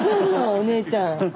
お姉ちゃん。